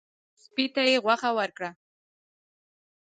سپي ته یې غوښه ورکړه.